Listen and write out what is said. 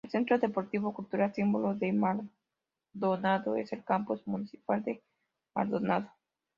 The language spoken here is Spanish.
El centro deportivo cultural, símbolo de Maldonado, es el Campus Municipal de Maldonado.